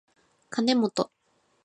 かねもと